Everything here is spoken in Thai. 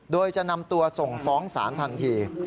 โดยจะนำตัวส่งฟ้องศาลทันที